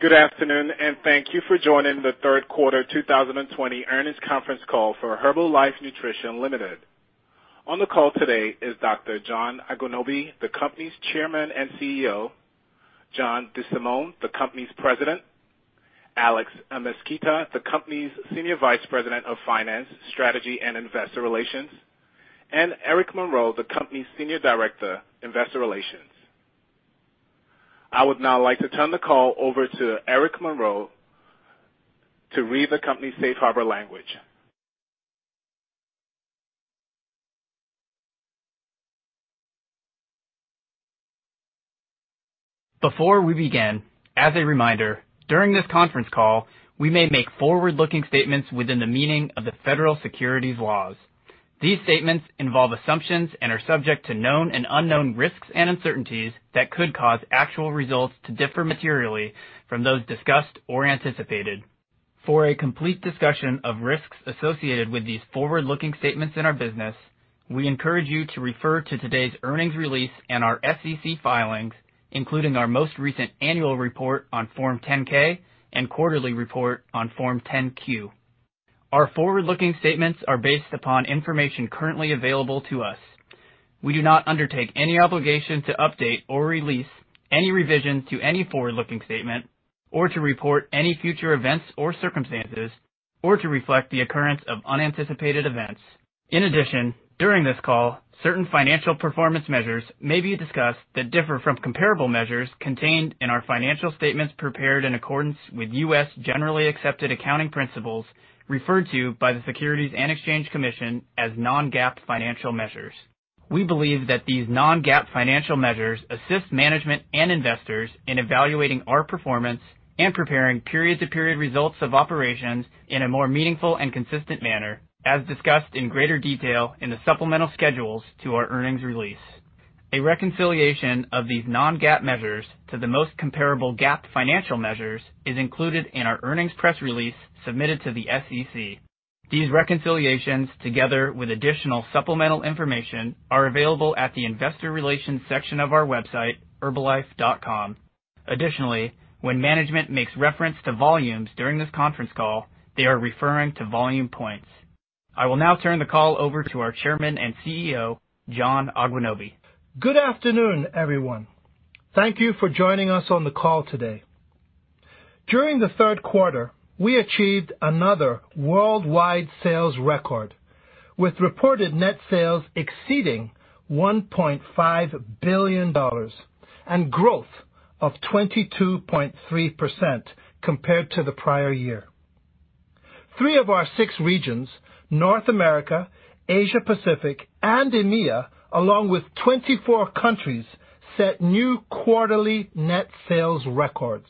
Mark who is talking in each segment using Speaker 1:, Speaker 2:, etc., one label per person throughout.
Speaker 1: Good afternoon, and thank you for joining the third quarter 2020 earnings conference call for Herbalife Nutrition Ltd. On the call today is Dr. John Agwunobi, the company's Chairman and CEO, John DeSimone, the company's President, Alex Amezquita, the company's Senior Vice President of Finance, Strategy, and Investor Relations, and Eric Monroe, the company's Senior Director, Investor Relations. I would now like to turn the call over to Eric Monroe to read the company's safe harbor language.
Speaker 2: Before we begin, as a reminder, during this conference call, we may make forward-looking statements within the meaning of the federal securities laws. These statements involve assumptions and are subject to known and unknown risks and uncertainties that could cause actual results to differ materially from those discussed or anticipated. For a complete discussion of risks associated with these forward-looking statements in our business, we encourage you to refer to today's earnings release and our SEC filings, including our most recent annual report on Form 10-K and quarterly report on Form 10-Q. Our forward-looking statements are based upon information currently available to us. We do not undertake any obligation to update or release any revisions to any forward-looking statement or to report any future events or circumstances, or to reflect the occurrence of unanticipated events. In addition, during this call, certain financial performance measures may be discussed that differ from comparable measures contained in our financial statements prepared in accordance with U.S. generally accepted accounting principles referred to by the Securities and Exchange Commission as non-GAAP financial measures. We believe that these non-GAAP financial measures assist management and investors in evaluating our performance and comparing period-to-period results of operations in a more meaningful and consistent manner, as discussed in greater detail in the supplemental schedules to our earnings release. A reconciliation of these non-GAAP measures to the most comparable GAAP financial measures is included in our earnings press release submitted to the SEC. These reconciliations, together with additional supplemental information, are available at the Investor Relations section of our website, herbalife.com. Additionally, when management makes reference to volumes during this conference call, they are referring to volume points. I will now turn the call over to our Chairman and CEO, John Agwunobi.
Speaker 3: Good afternoon, everyone. Thank you for joining us on the call today. During the 3rd quarter, we achieved another worldwide sales record, with reported net sales exceeding $1.5 billion and growth of 22.3% compared to the prior year. Three of our six regions, North America, Asia-Pacific, and EMEA, along with 24 countries, set new quarterly net sales records.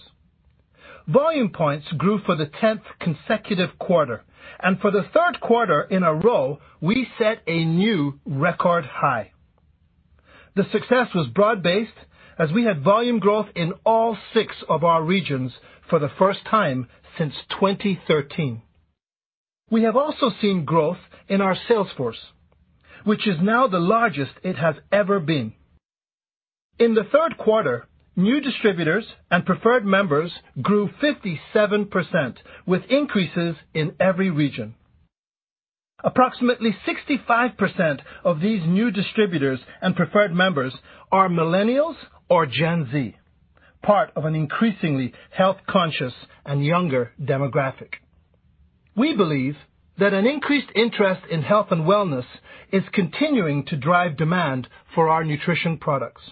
Speaker 3: Volume points grew for the 10th consecutive quarter, and for the third quarter in a row, we set a new record high. The success was broad-based, as we had volume growth in all six of our regions for the first time since 2013. We have also seen growth in our sales force, which is now the largest it has ever been. In the third quarter, new distributors and preferred members grew 57%, with increases in every region. Approximately 65% of these new distributors and preferred members are Millennials or Gen Z, part of an increasingly health-conscious and younger demographic. We believe that an increased interest in health and wellness is continuing to drive demand for our nutrition products.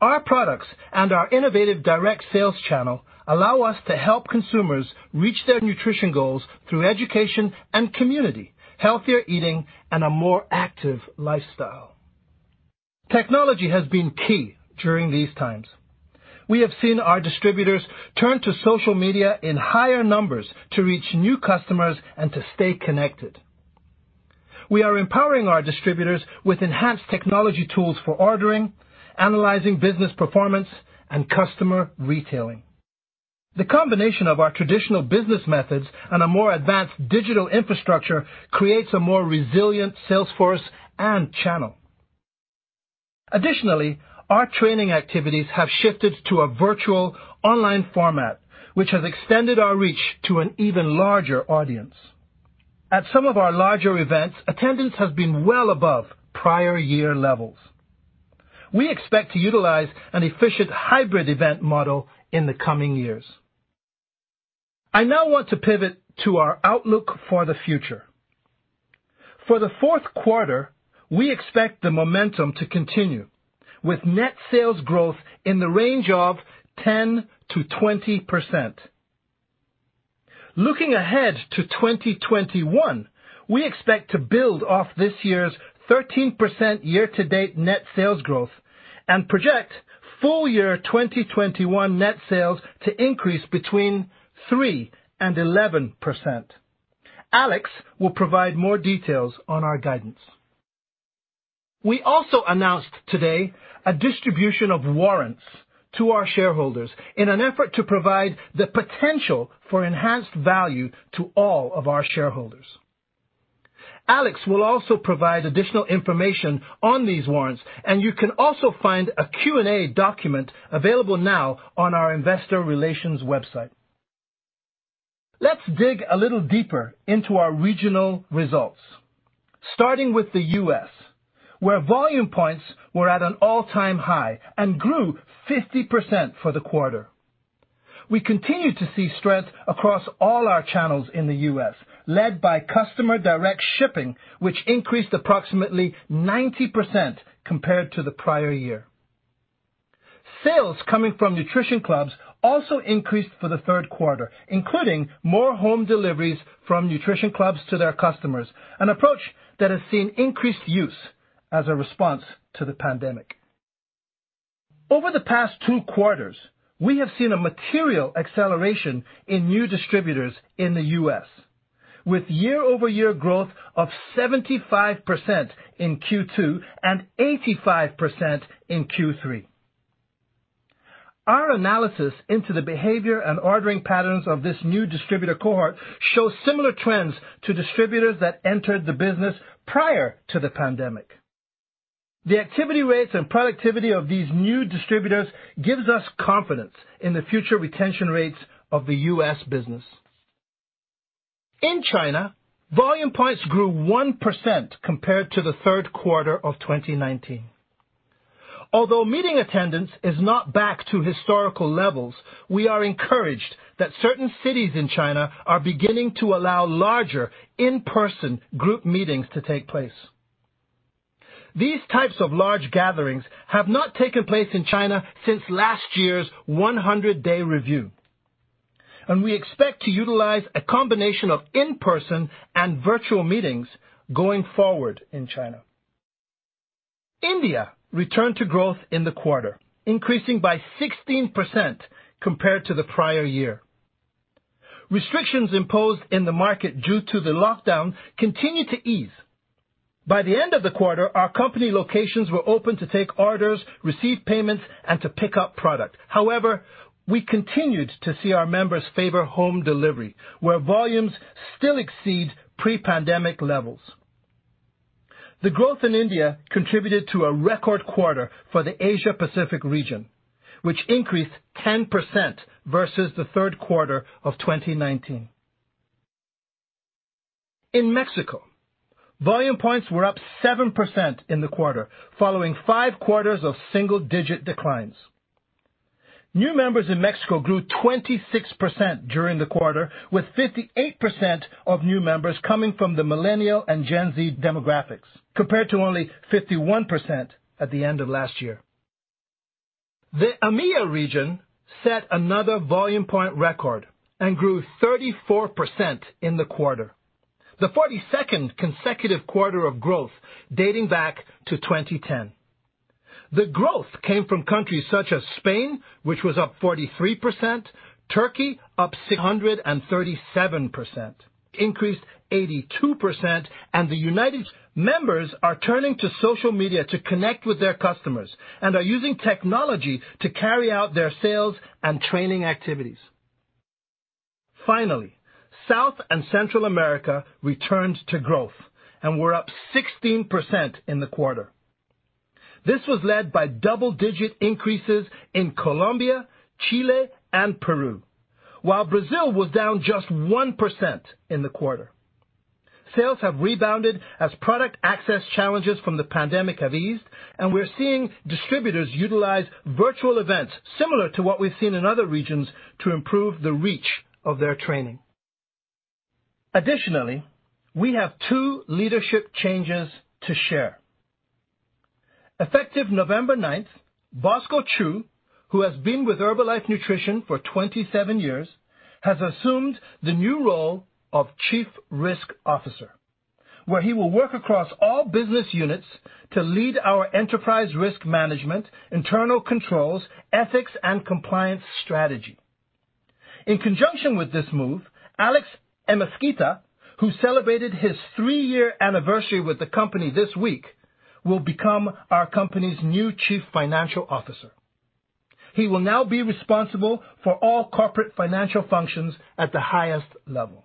Speaker 3: Our products and our innovative direct sales channel allow us to help consumers reach their nutrition goals through education and community, healthier eating, and a more active lifestyle. Technology has been key during these times. We have seen our distributors turn to social media in higher numbers to reach new customers and to stay connected. We are empowering our distributors with enhanced technology tools for ordering, analyzing business performance, and customer retailing. The combination of our traditional business methods and a more advanced digital infrastructure creates a more resilient sales force and channel. Additionally, our training activities have shifted to a virtual online format, which has extended our reach to an even larger audience. At some of our larger events, attendance has been well above prior year levels. We expect to utilize an efficient hybrid event model in the coming years. I now want to pivot to our outlook for the future. For the fourth quarter, we expect the momentum to continue, with net sales growth in the range of 10%-20%. Looking ahead to 2021, we expect to build off this year's 13% year-to-date net sales growth and project full-year 2021 net sales to increase between 3% and 11%. Alex will provide more details on our guidance. We also announced today a distribution of warrants to our shareholders in an effort to provide the potential for enhanced value to all of our shareholders. Alex will also provide additional information on these warrants, and you can also find a Q&A document available now on our Investor Relations website. Let's dig a little deeper into our regional results. Starting with the U.S., where volume points were at an all-time high and grew 50% for the quarter. We continue to see strength across all our channels in the U.S. led by customer direct shipping, which increased approximately 90% compared to the prior year. Sales coming from nutrition clubs also increased for the third quarter, including more home deliveries from nutrition clubs to their customers, an approach that has seen increased use as a response to the pandemic. Over the past two quarters, we have seen a material acceleration in new distributors in the U.S., with year-over-year growth of 75% in Q2 and 85% in Q3. Our analysis into the behavior and ordering patterns of this new distributor cohort show similar trends to distributors that entered the business prior to the pandemic. The activity rates and productivity of these new distributors gives us confidence in the future retention rates of the U.S. business. In China, volume points grew 1% compared to the third quarter of 2019. Although meeting attendance is not back to historical levels, we are encouraged that certain cities in China are beginning to allow larger in-person group meetings to take place. These types of large gatherings have not taken place in China since last year's 100-day celebration, and we expect to utilize a combination of in-person and virtual meetings going forward in China. India returned to growth in the quarter, increasing by 16% compared to the prior year. Restrictions imposed in the market due to the lockdown continued to ease. By the end of the quarter, our company locations were open to take orders, receive payments, and to pick up product. However, we continued to see our members favor home delivery, where volumes still exceed pre-pandemic levels. The growth in India contributed to a record quarter for the Asia-Pacific region, which increased 10% versus the third quarter of 2019. In Mexico, volume points were up 7% in the quarter, following five quarters of single-digit declines. New members in Mexico grew 26% during the quarter, with 58% of new members coming from the Millennial and Gen Z demographics, compared to only 51% at the end of last year. The EMEA region set another volume point record and grew 34% in the quarter, the 42nd consecutive quarter of growth dating back to 2010. The growth came from countries such as Spain, which was up 43%, Turkey up 137%, increased 82%. Members are turning to social media to connect with their customers and are using technology to carry out their sales and training activities. South and Central America returned to growth and were up 16% in the quarter. This was led by double-digit increases in Colombia, Chile, and Peru. Brazil was down just 1% in the quarter. Sales have rebounded as product access challenges from the pandemic have eased. We're seeing distributors utilize virtual events similar to what we've seen in other regions to improve the reach of their training. We have two leadership changes to share. Effective November 9th, Bosco Chiu, who has been with Herbalife Nutrition for 27 years, has assumed the new role of Chief Risk Officer, where he will work across all business units to lead our enterprise risk management, internal controls, ethics, and compliance strategy. In conjunction with this move, Alex Amezquita, who celebrated his three-year anniversary with the company this week, will become our company's new Chief Financial Officer. He will now be responsible for all corporate financial functions at the highest level.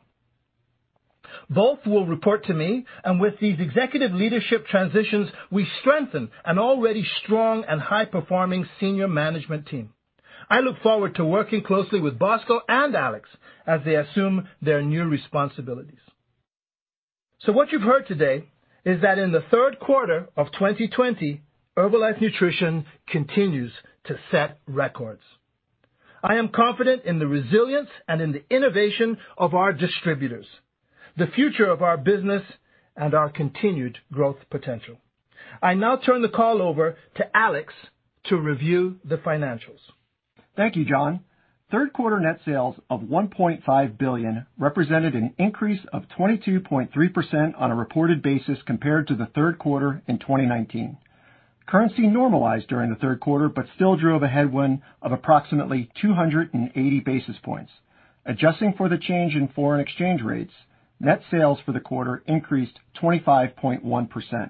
Speaker 3: Both will report to me, and with these executive leadership transitions, we strengthen an already strong and high-performing senior management team. I look forward to working closely with Bosco and Alex as they assume their new responsibilities. What you've heard today is that in the third quarter of 2020, Herbalife Nutrition continues to set records. I am confident in the resilience and in the innovation of our distributors, the future of our business, and our continued growth potential. I now turn the call over to Alex to review the financials.
Speaker 4: Thank you, John. Third quarter net sales of $1.5 billion represented an increase of 22.3% on a reported basis compared to the third quarter in 2019. Currency normalized during the third quarter, but still drove a headwind of approximately 280 basis points. Adjusting for the change in foreign exchange rates, net sales for the quarter increased 25.1%.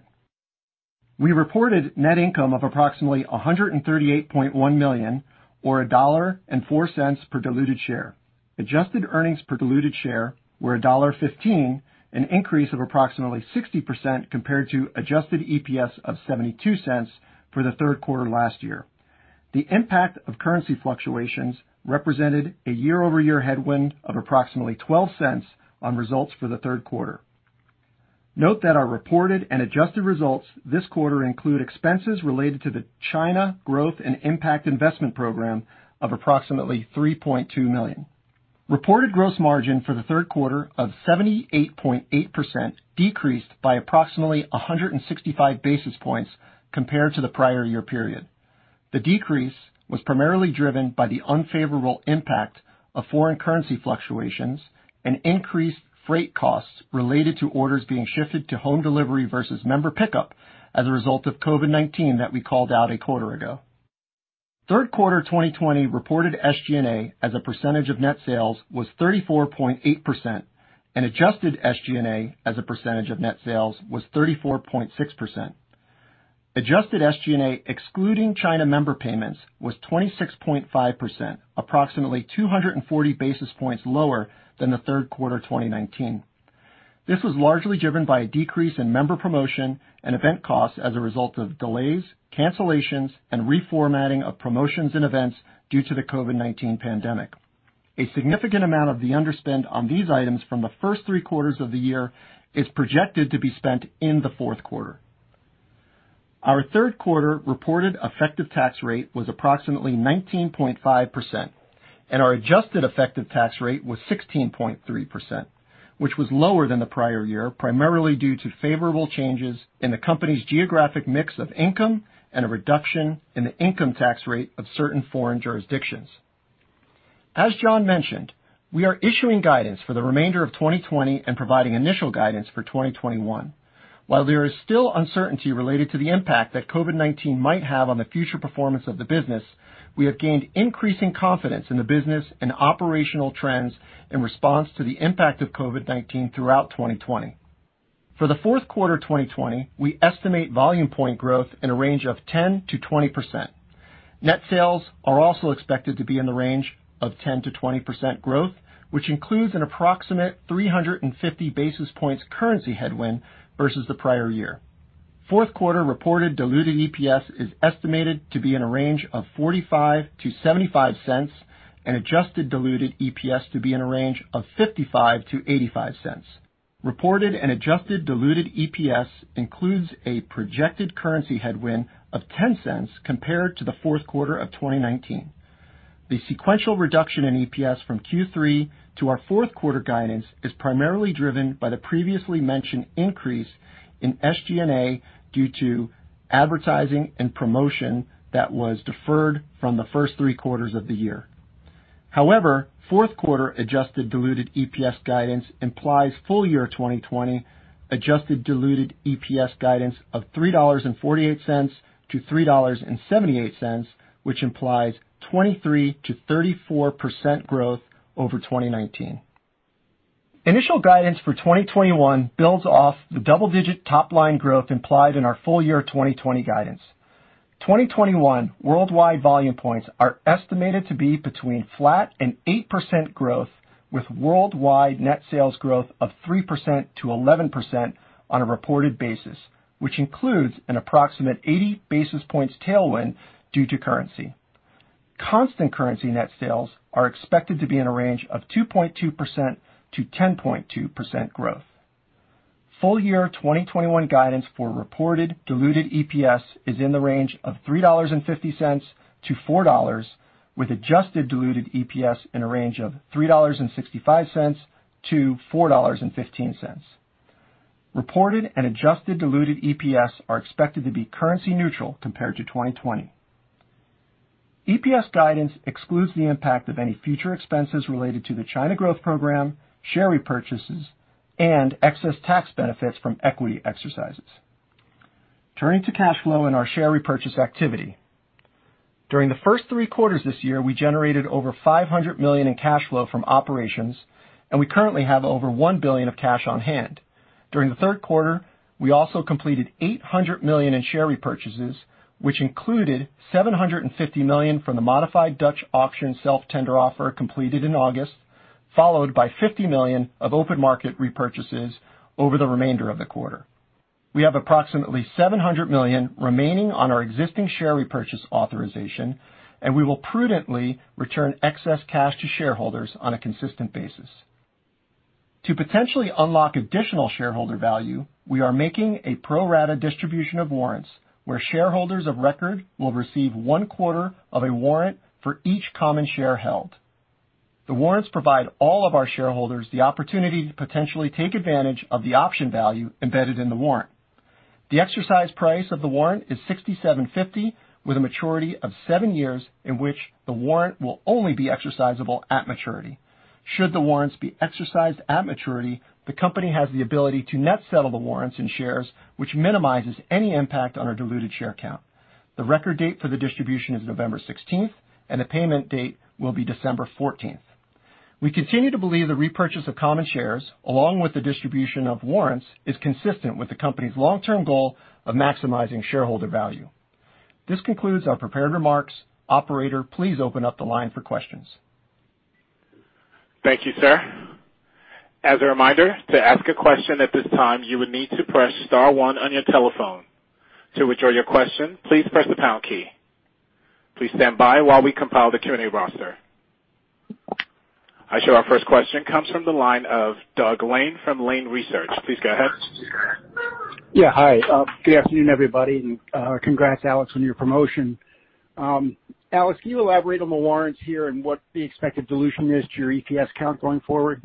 Speaker 4: We reported net income of approximately $138.1 million, or $1.04 per diluted share. Adjusted earnings per diluted share were $1.15, an increase of approximately 60% compared to adjusted EPS of $0.72 for the third quarter last year. The impact of currency fluctuations represented a year-over-year headwind of approximately $0.12 on results for the third quarter. Note that our reported and adjusted results this quarter include expenses related to the China Growth and Impact Investment Program of approximately $3.2 million. Reported gross margin for the third quarter of 78.8% decreased by approximately 165 basis points compared to the prior year period. The decrease was primarily driven by the unfavorable impact of foreign currency fluctuations and increased freight costs related to orders being shifted to home delivery versus member pickup as a result of COVID-19 that we called out a quarter ago. Third quarter 2020 reported SG&A as a percentage of net sales was 34.8%, and adjusted SG&A as a percentage of net sales was 34.6%. Adjusted SG&A excluding China member payments was 26.5%, approximately 240 basis points lower than the third quarter 2019. This was largely driven by a decrease in member promotion and event costs as a result of delays, cancellations, and reformatting of promotions and events due to the COVID-19 pandemic. A significant amount of the underspend on these items from the first three quarters of the year is projected to be spent in the fourth quarter. Our third quarter reported effective tax rate was approximately 19.5%, and our adjusted effective tax rate was 16.3%, which was lower than the prior year, primarily due to favorable changes in the company's geographic mix of income and a reduction in the income tax rate of certain foreign jurisdictions. As John mentioned, we are issuing guidance for the remainder of 2020 and providing initial guidance for 2021. While there is still uncertainty related to the impact that COVID-19 might have on the future performance of the business, we have gained increasing confidence in the business and operational trends in response to the impact of COVID-19 throughout 2020. For the fourth quarter 2020, we estimate volume point growth in a range of 10%-20%. Net sales are also expected to be in the range of 10%-20% growth, which includes an approximate 350 basis points currency headwind versus the prior year. Fourth quarter reported diluted EPS is estimated to be in a range of $0.45-$0.75 and adjusted diluted EPS to be in a range of $0.55-$0.85. Reported and adjusted diluted EPS includes a projected currency headwind of $0.10 compared to the fourth quarter of 2019. The sequential reduction in EPS from Q3 to our fourth quarter guidance is primarily driven by the previously mentioned increase in SG&A due to advertising and promotion that was deferred from the first three quarters of the year. Fourth quarter adjusted diluted EPS guidance implies full year 2020 adjusted diluted EPS guidance of $3.48-$3.78, which implies 23%-34% growth over 2019. Initial guidance for 2021 builds off the double-digit top-line growth implied in our full year 2020 guidance. 2021 worldwide volume points are estimated to be between flat and 8% growth, with worldwide net sales growth of 3%-11% on a reported basis, which includes an approximate 80 basis points tailwind due to currency. Constant currency net sales are expected to be in a range of 2.2%-10.2% growth. Full year 2021 guidance for reported diluted EPS is in the range of $3.50-$4, with adjusted diluted EPS in a range of $3.65-$4.15. Reported and adjusted diluted EPS are expected to be currency neutral compared to 2020. EPS guidance excludes the impact of any future expenses related to the China Growth Program, share repurchases, and excess tax benefits from equity exercises. Turning to cash flow and our share repurchase activity. During the first three quarters this year, we generated over $500 million in cash flow from operations, and we currently have over $1 billion of cash on hand. During the third quarter, we also completed $800 million in share repurchases, which included $750 million from the modified Dutch auction self-tender offer completed in August, followed by $50 million of open market repurchases over the remainder of the quarter. We have approximately $700 million remaining on our existing share repurchase authorization, and we will prudently return excess cash to shareholders on a consistent basis. To potentially unlock additional shareholder value, we are making a pro-rata distribution of warrants where shareholders of record will receive one quarter of a warrant for each common share held. The warrants provide all of our shareholders the opportunity to potentially take advantage of the option value embedded in the warrant. The exercise price of the warrant is $67.50 with a maturity of seven years in which the warrant will only be exercisable at maturity. Should the warrants be exercised at maturity, the company has the ability to net settle the warrants and shares, which minimizes any impact on our diluted share count. The record date for the distribution is November 16th, and the payment date will be December 14th. We continue to believe the repurchase of common shares, along with the distribution of warrants, is consistent with the company's long-term goal of maximizing shareholder value. This concludes our prepared remarks. Operator, please open up the line for questions.
Speaker 1: Thank you, sir. As a reminder to ask a question at this time you will need to press star one on your telephone. To withdraw your question, press the pound key. Please standby while we compile the Q&A roster. I show our first question comes from the line of Doug Lane from Lane Research. Please go ahead.
Speaker 5: Yeah, hi. Good afternoon, everybody. Congrats, Alex, on your promotion. Alex, can you elaborate on the warrants here and what the expected dilution is to your EPS count going forward?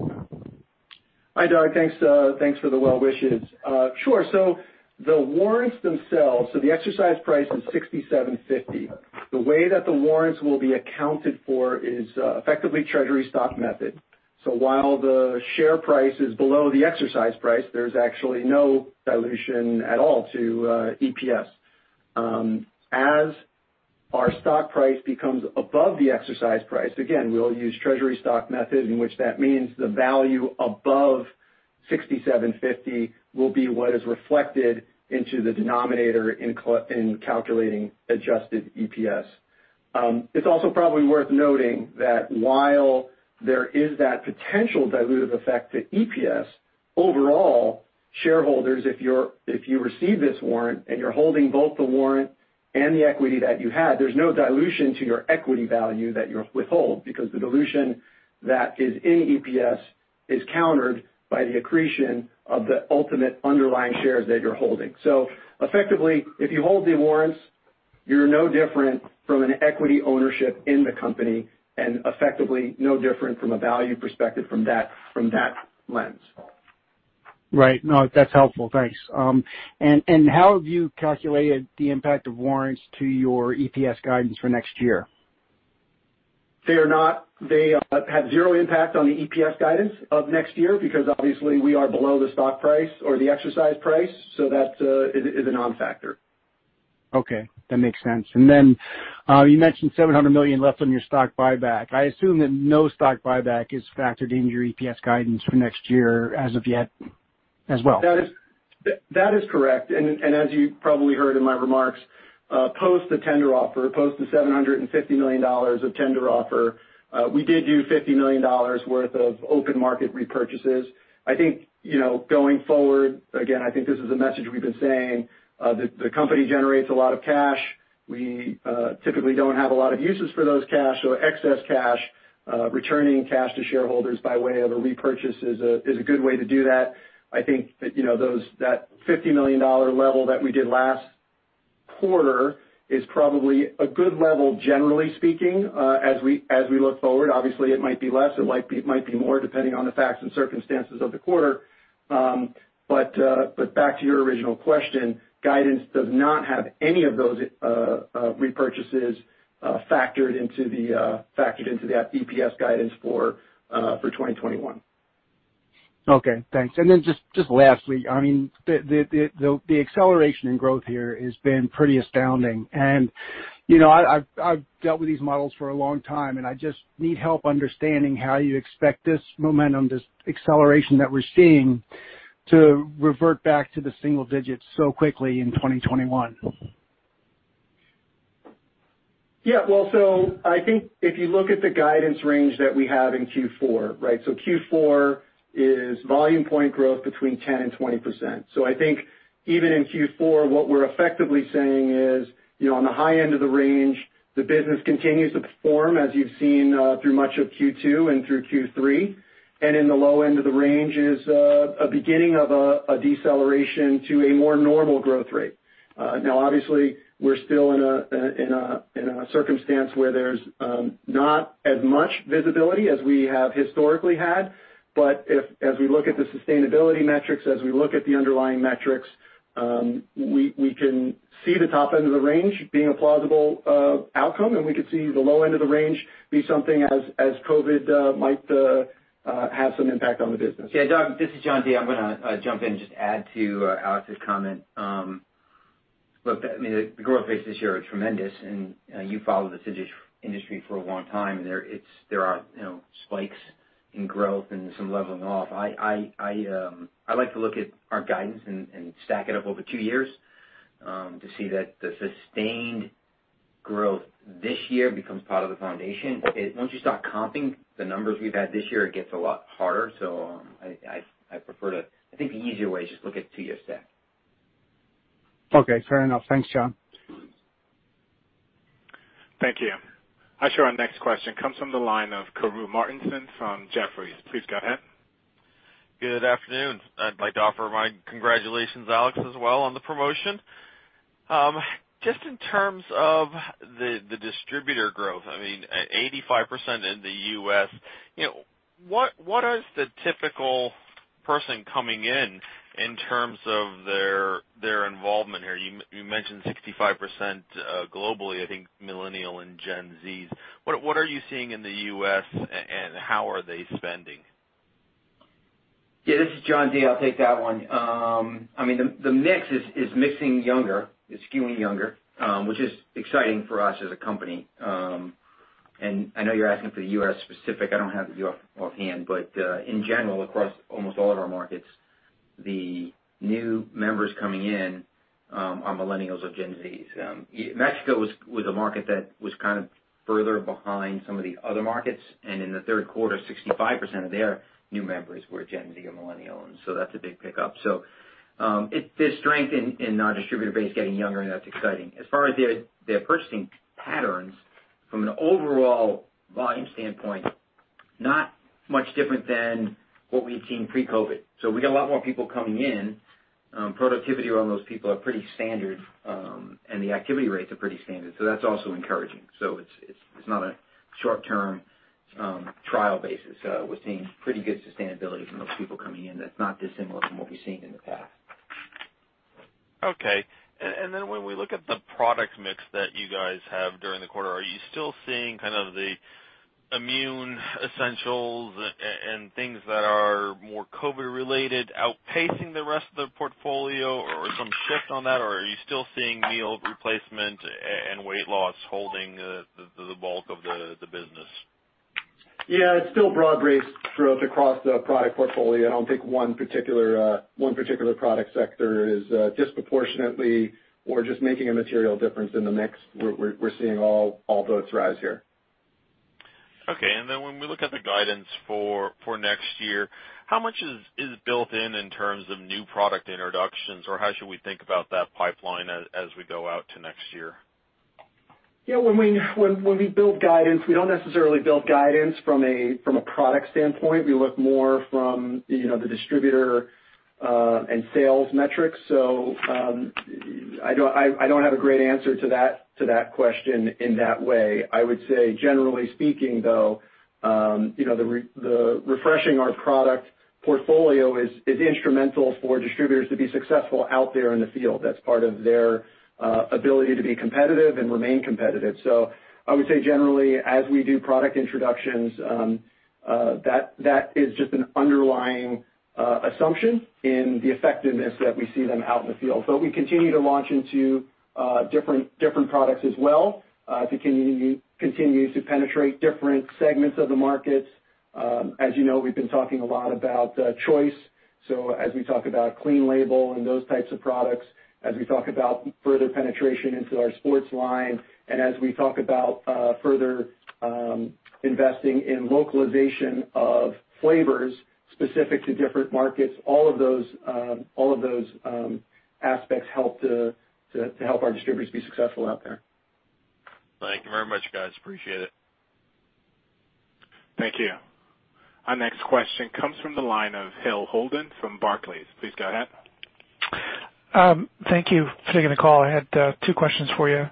Speaker 4: Hi, Doug. Thanks for the well wishes. Sure. The warrants themselves, so the exercise price is $67.50. The way that the warrants will be accounted for is effectively treasury stock method. While the share price is below the exercise price, there's actually no dilution at all to EPS. As our stock price becomes above the exercise price, again, we'll use treasury stock method, in which that means the value above $67.50 will be what is reflected into the denominator in calculating adjusted EPS. It's also probably worth noting that while there is that potential dilutive effect to EPS, overall, shareholders, if you receive this warrant and you're holding both the warrant and the equity that you had, there's no dilution to your equity value that you hold, because the dilution that is in EPS is countered by the accretion of the ultimate underlying shares that you're holding. Effectively, if you hold the warrants, you're no different from an equity ownership in the company, and effectively, no different from a value perspective from that lens.
Speaker 5: Right. No, that's helpful. Thanks. How have you calculated the impact of warrants to your EPS guidance for next year?
Speaker 4: They have zero impact on the EPS guidance of next year because obviously we are below the stock price or the exercise price. That is a non-factor.
Speaker 5: Okay, that makes sense. You mentioned $700 million left on your stock buyback. I assume that no stock buyback is factored into your EPS guidance for next year as of yet as well.
Speaker 4: That is correct. As you probably heard in my remarks, post the tender offer, post the $750 million of tender offer, we did do $50 million worth of open market repurchases. I think going forward, again, I think this is a message we've been saying, the company generates a lot of cash. We typically don't have a lot of uses for those cash, so excess cash, returning cash to shareholders by way of a repurchase is a good way to do that. I think that $50 million level that we did last quarter is probably a good level generally speaking as we look forward. Obviously, it might be less, it might be more depending on the facts and circumstances of the quarter. Back to your original question, guidance does not have any of those repurchases factored into that EPS guidance for 2021.
Speaker 5: Okay, thanks. Just lastly, the acceleration in growth here has been pretty astounding. I've dealt with these models for a long time, I just need help understanding how you expect this momentum, this acceleration that we're seeing to revert back to the single-digits so quickly in 2021.
Speaker 4: Yeah. Well, I think if you look at the guidance range that we have in Q4, right? Q4 is volume point growth between 10% and 20%. I think even in Q4, what we're effectively saying is, on the high end of the range, the business continues to perform as you've seen through much of Q2 and through Q3. In the low end of the range is a beginning of a deceleration to a more normal growth rate. Now obviously, we're still in a circumstance where there's not as much visibility as we have historically had. As we look at the sustainability metrics, as we look at the underlying metrics, we can see the top end of the range being a plausible outcome, and we could see the low end of the range be something as COVID might have some impact on the business.
Speaker 6: Doug, this is John D. I'm gonna jump in and just add to Alex's comment. Look, the growth rates this year are tremendous, and you followed this industry for a long time, and there are spikes in growth and some leveling off. I like to look at our guidance and stack it up over two years to see that the sustained growth this year becomes part of the foundation. Once you start comping the numbers we've had this year, it gets a lot harder. I think the easier way is just look at two-year stack.
Speaker 5: Okay, fair enough. Thanks, John.
Speaker 1: Thank you. I show our next question comes from the line of Karru Martinson from Jefferies. Please go ahead.
Speaker 7: Good afternoon. I'd like to offer my congratulations, Alex, as well on the promotion. In terms of the distributor growth, 85% in the U.S., what is the typical person coming in terms of their involvement here? You mentioned 65% globally, I think Millennial and Gen Zs. What are you seeing in the U.S. and how are they spending?
Speaker 6: Yeah, this is John D. I'll take that one. The mix is mixing younger. It's skewing younger, which is exciting for us as a company. I know you're asking for the U.S. specific. I don't have it offhand, in general, across almost all of our markets, the new members coming in are Millennials or Gen Zs. Mexico was a market that was kind of further behind some of the other markets, in the third quarter, 65% of their new members were Gen Z or Millennials. That's a big pickup. There's strength in our distributor base getting younger, that's exciting. As far as their purchasing patterns, from an overall volume standpoint, not much different than what we had seen pre-COVID. We got a lot more people coming in. Productivity around those people are pretty standard, the activity rates are pretty standard. That's also encouraging. It's not a short-term trial basis. We're seeing pretty good sustainability from those people coming in that's not dissimilar from what we've seen in the past.
Speaker 7: Okay. When we look at the product mix that you guys have during the quarter, are you still seeing kind of the immune essentials and things that are more COVID-19 related, outpacing the rest of the portfolio or some shift on that? Or are you still seeing meal replacement and weight loss holding the bulk of the business?
Speaker 4: Yeah, it's still broad-based growth across the product portfolio. I don't think one particular product sector is disproportionately or just making a material difference in the mix. We're seeing all boats rise here.
Speaker 7: Okay. When we look at the guidance for next year, how much is built in in terms of new product introductions, or how should we think about that pipeline as we go out to next year?
Speaker 4: When we build guidance, we don't necessarily build guidance from a product standpoint. We look more from the distributor and sales metrics. I don't have a great answer to that question in that way. I would say generally speaking, though, refreshing our product portfolio is instrumental for distributors to be successful out there in the field. That's part of their ability to be competitive and remain competitive. I would say generally, as we do product introductions, that is just an underlying assumption in the effectiveness that we see them out in the field. We continue to launch into different products as well, continue to penetrate different segments of the markets. As you know, we've been talking a lot about choice. As we talk about clean label and those types of products, as we talk about further penetration into our sports line, and as we talk about further investing in localization of flavors specific to different markets, all of those aspects help our distributors be successful out there.
Speaker 7: Thank you very much, guys. Appreciate it.
Speaker 1: Thank you. Our next question comes from the line of Hale Holden from Barclays. Please go ahead.
Speaker 8: Thank you for taking the call. I had two questions for you.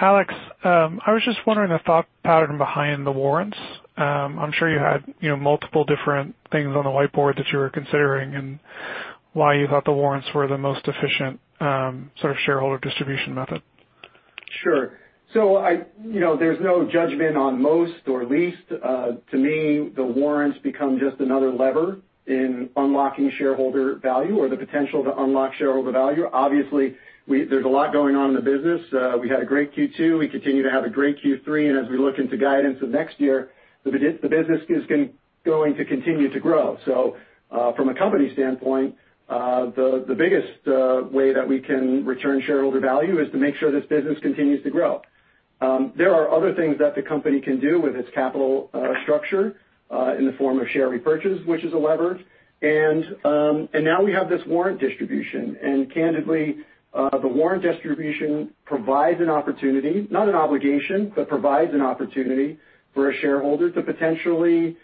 Speaker 8: Alex, I was just wondering the thought pattern behind the warrants. I'm sure you had multiple different things on the whiteboard that you were considering and why you thought the warrants were the most efficient sort of shareholder distribution method.
Speaker 4: Sure. There's no judgment on most or least. To me, the warrants become just another lever in unlocking shareholder value or the potential to unlock shareholder value. Obviously, there's a lot going on in the business. We had a great Q2. We continue to have a great Q3, and as we look into guidance of next year, the business is going to continue to grow. From a company standpoint, the biggest way that we can return shareholder value is to make sure this business continues to grow. There are other things that the company can do with its capital structure in the form of share repurchase, which is a lever. Now we have this warrant distribution, and candidly, the warrant distribution provides an opportunity, not an obligation, but provides an opportunity for a shareholder to potentially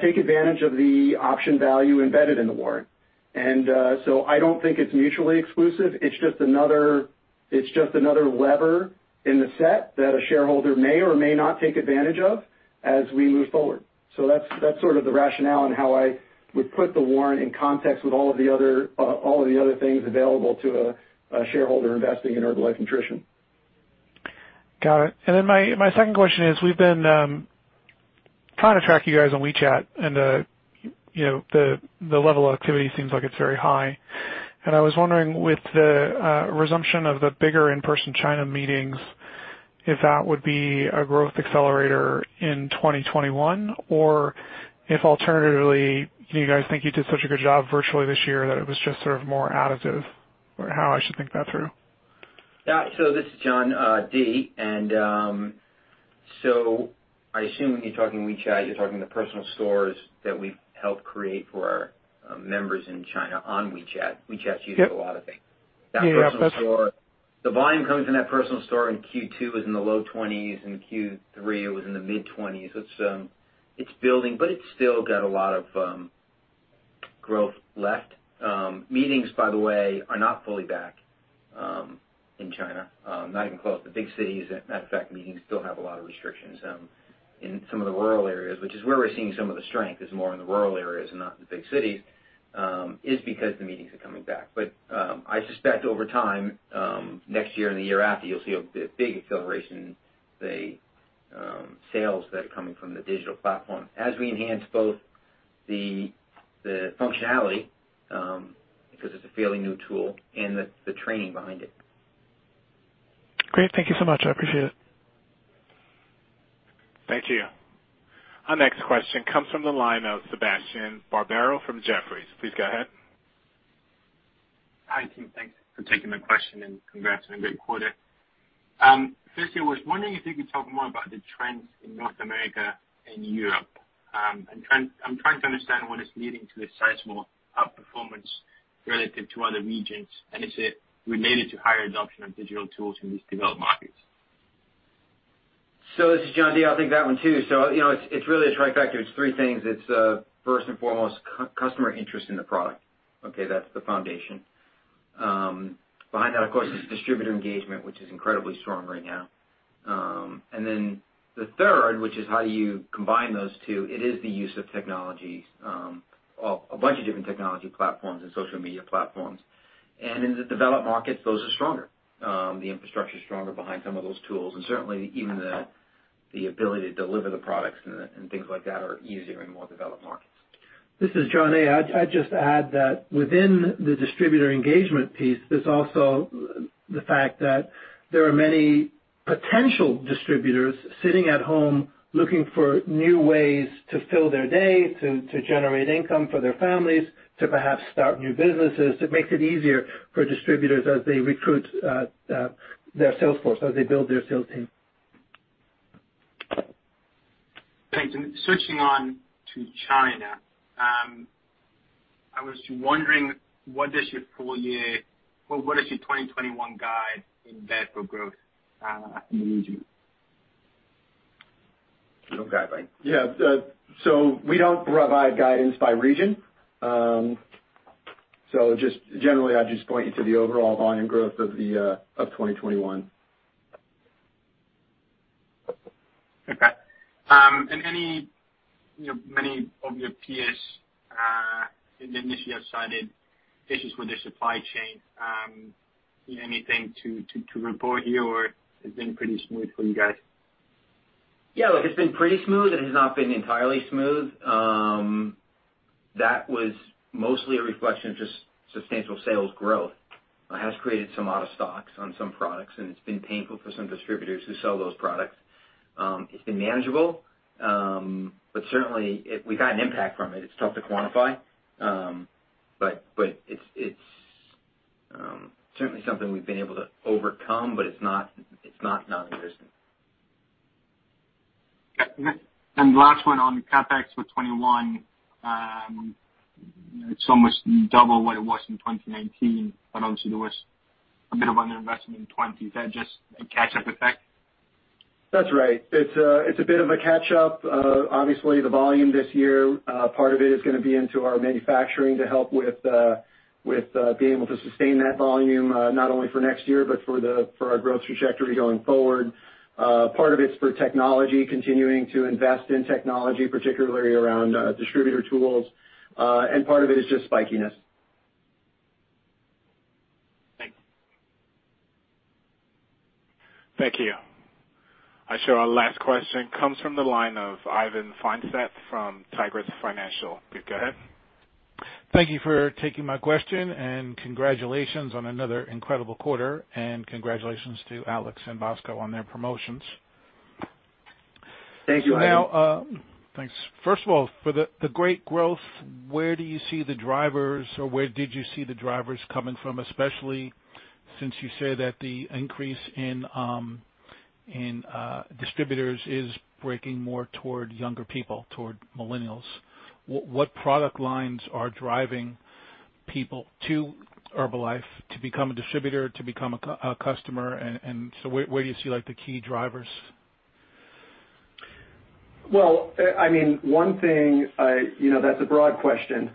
Speaker 4: take advantage of the option value embedded in the warrant. I don't think it's mutually exclusive. It's just another lever in the set that a shareholder may or may not take advantage of as we move forward. That's sort of the rationale on how I would put the warrant in context with all of the other things available to a shareholder investing in Herbalife Nutrition.
Speaker 8: Got it. My second question is, we've been trying to track you guys on WeChat, and the level of activity seems like it's very high. I was wondering with the resumption of the bigger in-person China meetings, if that would be a growth accelerator in 2021, or if alternatively, you guys think you did such a good job virtually this year that it was just sort of more additive, or how I should think that through.
Speaker 6: Yeah. This is John D. I assume when you're talking WeChat, you're talking the personal stores that we've helped create for our members in China on WeChat. WeChat's used for a lot of things.
Speaker 8: Yeah.
Speaker 6: That personal store, the volume coming from that personal store in Q2 was in the low 20s. In Q3, it was in the mid-20s. It's building, it's still got a lot of growth left. Meetings, by the way, are not fully back in China. Not even close. The big cities, matter of fact, meetings still have a lot of restrictions. In some of the rural areas, which is where we're seeing some of the strength, is more in the rural areas and not in the big cities, is because the meetings are coming back. I suspect over time, next year and the year after, you'll see a big acceleration in the sales that are coming from the digital platform. As we enhance both the functionality, because it's a fairly new tool, and the training behind it.
Speaker 8: Great. Thank you so much. I appreciate it.
Speaker 1: Thank you. Our next question comes from the line of Sebastian Barbero from Jefferies. Please go ahead.
Speaker 9: Hi, team. Thanks for taking my question, and congrats on a great quarter. Firstly, I was wondering if you could talk more about the trends in North America and Europe. I'm trying to understand what is leading to the sizable outperformance relative to other regions, and is it related to higher adoption of digital tools in these developed markets?
Speaker 6: This is John D. I'll take that one too. It's really right back to, it's three things. It's, first and foremost, customer interest in the product. Okay. That's the foundation. Behind that, of course, is distributor engagement, which is incredibly strong right now. The third, which is how do you combine those two, it is the use of technology, a bunch of different technology platforms and social media platforms. In the developed markets, those are stronger. The infrastructure's stronger behind some of those tools, and certainly even the ability to deliver the products and things like that are easier in more developed markets.
Speaker 3: This is John A. I'd just add that within the distributor engagement piece, there's also the fact that there are many potential distributors sitting at home looking for new ways to fill their day, to generate income for their families, to perhaps start new businesses. It makes it easier for distributors as they recruit their sales force, as they build their sales team.
Speaker 9: Thanks. Switching on to China, I was wondering, what is your full year, or what is your 2021 guide in there for growth in the region?
Speaker 6: No guideline.
Speaker 4: Yeah. We don't provide guidance by region. Just generally, I'd just point you to the overall volume growth of 2021.
Speaker 9: Okay. Any of your peers in the industry have cited issues with their supply chain. Anything to report here, or it's been pretty smooth for you guys?
Speaker 6: Yeah. Look, it's been pretty smooth. It has not been entirely smooth. That was mostly a reflection of just substantial sales growth. It has created some out of stocks on some products, and it's been painful for some distributors who sell those products. It's been manageable. Certainly, we got an impact from it. It's tough to quantify. It's certainly something we've been able to overcome, but it's not nonexistent.
Speaker 9: Okay. Last one on the CapEx for 2021. It's almost double what it was in 2019, but obviously there was a bit of underinvestment in 2020. Is that just a catch-up effect?
Speaker 4: That's right. It's a bit of a catch-up. Obviously, the volume this year, part of it is going to be into our manufacturing to help with being able to sustain that volume, not only for next year but for our growth trajectory going forward. Part of it's for technology, continuing to invest in technology, particularly around distributor tools. Part of it is just spikiness.
Speaker 9: Thanks.
Speaker 1: Thank you. I show our last question comes from the line of Ivan Feinseth from Tigress Financial. Please go ahead.
Speaker 10: Thank you for taking my question. Congratulations on another incredible quarter, and congratulations to Alex and Bosco on their promotions.
Speaker 4: Thank you, Ivan.
Speaker 10: Now, thanks. First of all, for the great growth, where do you see the drivers, or where did you see the drivers coming from, especially since you say that the increase in distributors is breaking more toward younger people, toward Millennials? Where do you see the key drivers?
Speaker 4: Well, one thing, that's a broad question,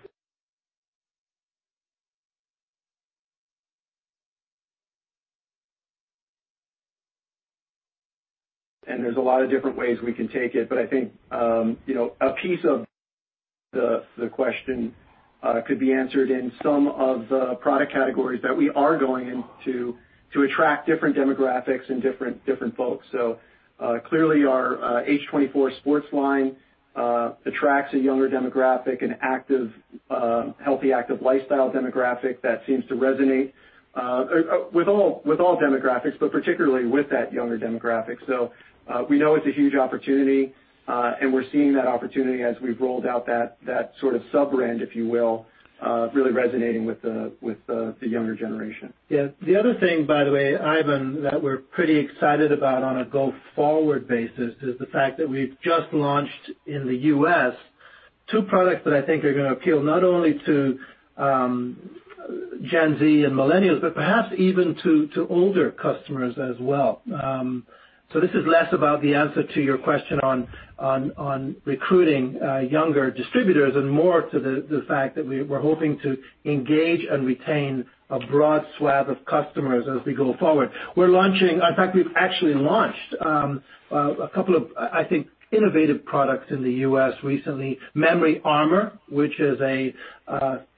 Speaker 4: and there's a lot of different ways we can take it, but I think a piece of the question could be answered in some of the product categories that we are going into to attract different demographics and different folks. Clearly our H24 sports line attracts a younger demographic, a healthy, active lifestyle demographic that seems to resonate with all demographics, but particularly with that younger demographic. We know it's a huge opportunity, and we're seeing that opportunity as we've rolled out that sort of sub-brand, if you will, really resonating with the younger generation.
Speaker 3: Yeah. The other thing, by the way, Ivan, that we're pretty excited about on a go-forward basis is the fact that we've just launched in the U.S. two products that I think are going to appeal not only to Gen Z and Millennials, but perhaps even to older customers as well. This is less about the answer to your question on recruiting younger distributors and more to the fact that we're hoping to engage and retain a broad swath of customers as we go forward. In fact, we've actually launched a couple of, I think, innovative products in the U.S. recently. MemoryArmor, which is a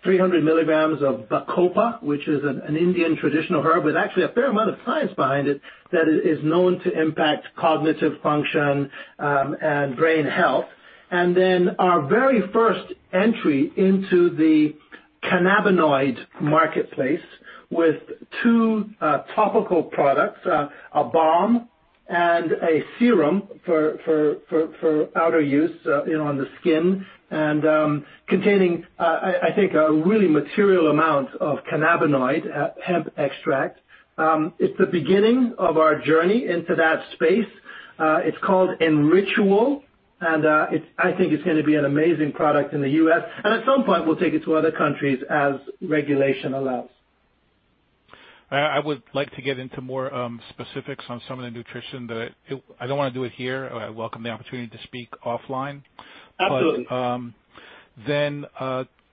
Speaker 3: 300 mg of Bacopa, which is an Indian traditional herb with actually a fair amount of science behind it, that is known to impact cognitive function and brain health. Our very first entry into the cannabinoid marketplace with two topical products, a balm and a serum for outer use on the skin, and containing, I think, a really material amount of cannabinoid hemp extract. It's the beginning of our journey into that space. It's called Enrichual, and I think it's going to be an amazing product in the U.S., and at some point, we'll take it to other countries as regulation allows.
Speaker 10: I would like to get into more specifics on some of the nutrition, but I don't want to do it here. I welcome the opportunity to speak offline.
Speaker 3: Absolutely.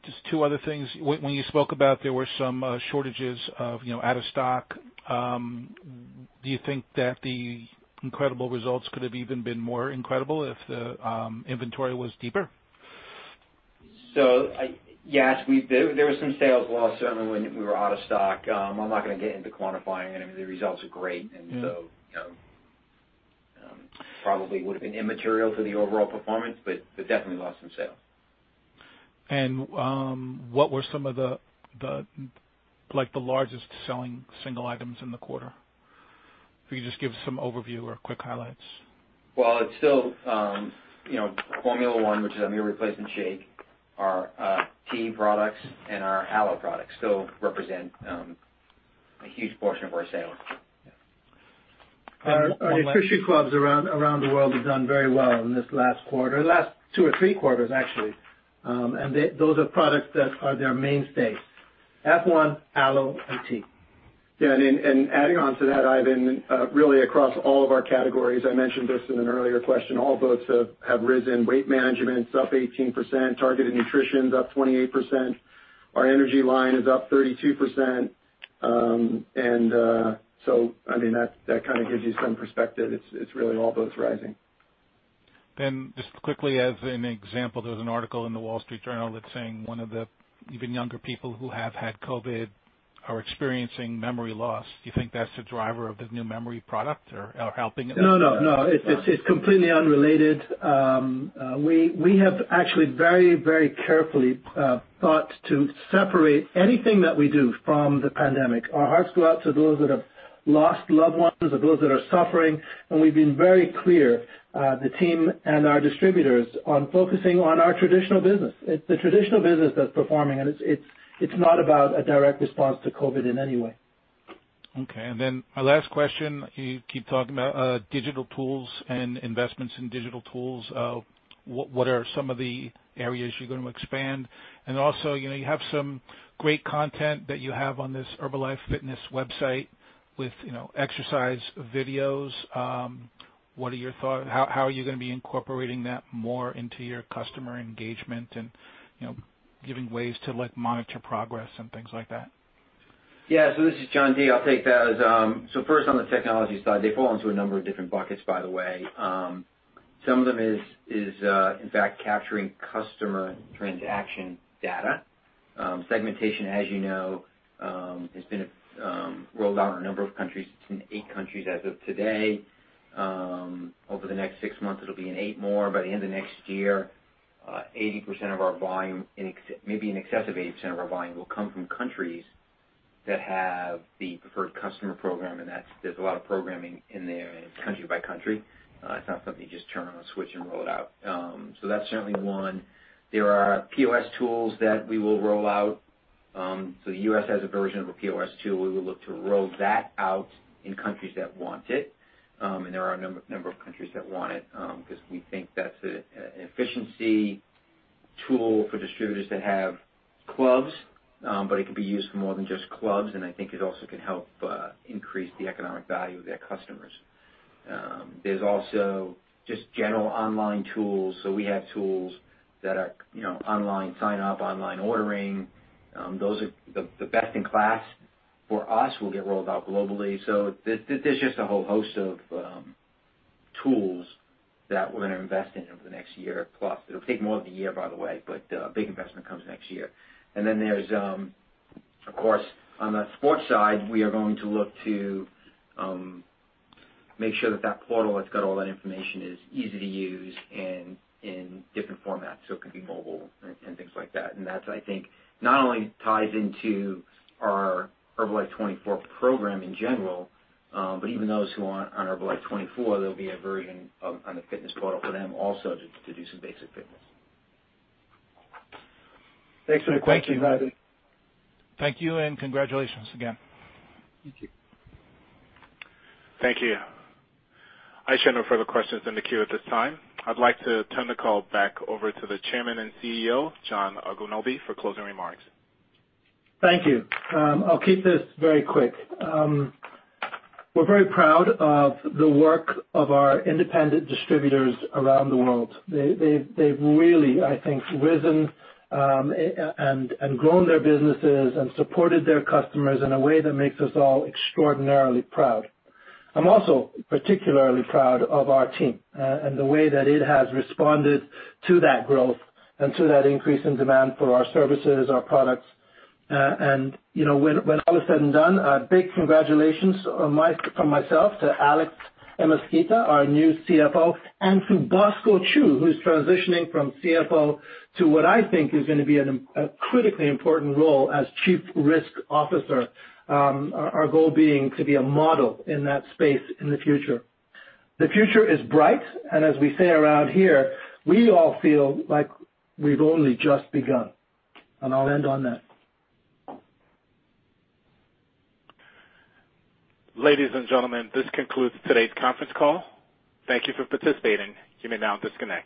Speaker 10: Just two other things. When you spoke about there were some shortages of out of stock, do you think that the incredible results could have even been more incredible if the inventory was deeper?
Speaker 6: Yes, there was some sales loss certainly when we were out of stock. I'm not going to get into quantifying it. I mean, the results are great, probably would've been immaterial to the overall performance, but definitely lost some sales.
Speaker 10: What were some of the largest selling single items in the quarter? If you could just give some overview or quick highlights.
Speaker 6: Well, it's still Formula 1, which is a meal replacement shake, our tea products, and our aloe products still represent a huge portion of our sales. Yeah.
Speaker 3: Our Nutrition Clubs around the world have done very well in this last quarter, last two or three quarters actually. Those are products that are their mainstay, F1, aloe, and tea.
Speaker 6: Yeah, adding on to that, Ivan, really across all of our categories, I mentioned this in an earlier question, all boats have risen. Weight management's up 18%, targeted nutrition's up 28%, our energy line is up 32%, that kind of gives you some perspective. It's really all boats rising.
Speaker 10: Just quickly as an example, there is an article in The Wall Street Journal that is saying one of the even younger people who have had COVID are experiencing memory loss. Do you think that is the driver of this new memory product or helping it?
Speaker 3: No, no. It's completely unrelated. We have actually very carefully thought to separate anything that we do from the pandemic. Our hearts go out to those that have lost loved ones, or those that are suffering, and we've been very clear, the team and our distributors, on focusing on our traditional business. It's the traditional business that's performing, and it's not about a direct response to COVID-19 in any way.
Speaker 10: Okay, my last question, you keep talking about digital tools and investments in digital tools. What are some of the areas you're going to expand? Also, you have some great content that you have on this Herbalife fitness website with exercise videos. What are your thoughts? How are you going to be incorporating that more into your customer engagement and giving ways to monitor progress and things like that?
Speaker 6: This is John D. I'll take that. First, on the technology side, they fall into a number of different buckets, by the way. Some of them is, in fact, capturing customer transaction data. Segmentation, as you know, has been rolled out in a number of countries. It's in eight countries as of today. Over the next six months, it'll be in eight more. By the end of next year, maybe an excess of 80% of our volume will come from countries that have the preferred customer program, and there's a lot of programming in there, and it's country by country. It's not something you just turn on a switch and roll it out. That's certainly one. There are POS tools that we will roll out. The U.S. has a version of a POS tool. We will look to roll that out in countries that want it. There are a number of countries that want it, because we think that's an efficiency tool for distributors that have clubs. It can be used for more than just clubs, and I think it also can help increase the economic value of their customers. There's also just general online tools. We have tools that are online sign up, online ordering. Those are the best in class for us will get rolled out globally. There's just a whole host of tools that we're going to invest in over the next year plus. It'll take more of the year, by the way, a big investment comes next year. There's, of course, on the sports side, we are going to look to make sure that that portal that's got all that information is easy to use and in different formats. It could be mobile and things like that. That, I think, not only ties into our Herbalife24 program in general, but even those who aren't on Herbalife24, there'll be a version on the fitness portal for them also to do some basic fitness.
Speaker 3: Thanks for the question, Ivan.
Speaker 10: Thank you, and congratulations again.
Speaker 6: Thank you.
Speaker 1: Thank you. I show no further questions in the queue at this time. I'd like to turn the call back over to the Chairman and CEO, John Agwunobi, for closing remarks.
Speaker 3: Thank you. I'll keep this very quick. We're very proud of the work of our independent distributors around the world. They've really, I think, risen and grown their businesses and supported their customers in a way that makes us all extraordinarily proud. I'm also particularly proud of our team, and the way that it has responded to that growth and to that increase in demand for our services, our products. When all is said and done, a big congratulations from myself to Alex Amezquita, our new CFO, and to Bosco Chiu, who's transitioning from CFO to what I think is going to be a critically important role as Chief Risk Officer. Our goal being to be a model in that space in the future. The future is bright, and as we say around here, we all feel like we've only just begun. I'll end on that.
Speaker 1: Ladies and gentlemen, this concludes today's conference call. Thank you for participating. You may now disconnect.